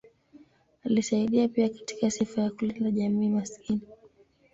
Alisaidia pia katika sifa ya kulinda jamii maskini.